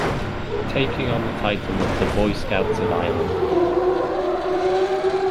Taking on the title of the "Boy Scouts of Ireland".